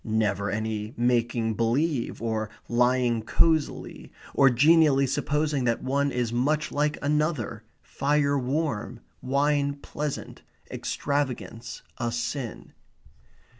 Never any making believe, or lying cosily, or genially supposing that one is much like another, fire warm, wine pleasant, extravagance a sin.